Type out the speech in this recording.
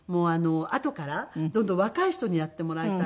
あとからどんどん若い人にやってもらいたいと思って。